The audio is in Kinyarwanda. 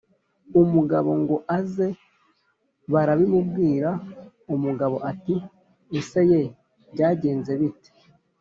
umugabo ngo aze barabimubwira, umugabo ati: "Ese ye, byagenze bite?